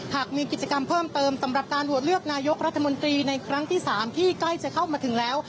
หากมีกิจกรรมเพิ่มเติมสำหรับการโหวตเลือกนายกรัฐมนตรีในครั้งที่๓ที่ใกล้จะเข้ามาถึงแล้ว